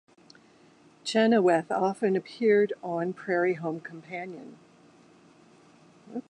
Chenoweth often appeared on "Prairie Home Companion".